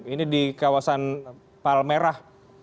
ini di kawasan palmerah